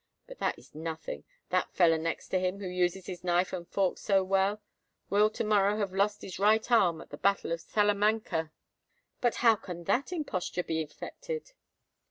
But that is nothing. That feller next to him, who uses his knife and fork so well, will to morrow have lost his right arm at the battle of Salamanca." "But how can that imposture be effected?"